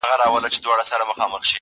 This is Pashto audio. هغه د ساه کښلو لپاره جادوگري غواړي.